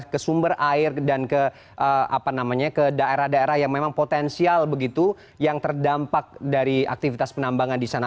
ke daerah daerah yang memang potensial begitu yang terdampak dari aktivitas penambangan di sana